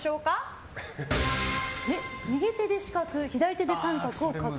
右手で四角、左手で三角を描く。